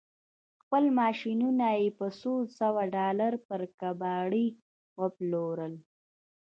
خپل ماشينونه يې په څو سوه ډالر پر کباړي وپلورل.